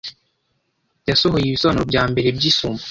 yasohoye ibisobanuro bya mbere by’isumo